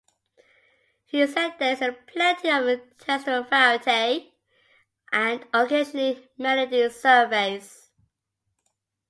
He said there is "plenty of textural variety" and occasionally melodies surface.